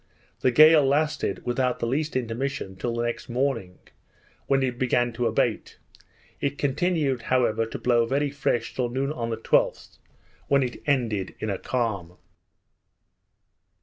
The gale lasted, without the least intermission, till the next morning, when it began to abate; it continued, however, to blow very fresh till noon on the 12th, when it ended in a calm.